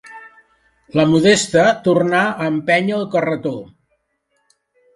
La Modesta tornà a empènyer el carretó.